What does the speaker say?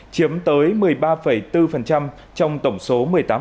chiếm tới một mươi ba bốn trong tổng số một mươi tám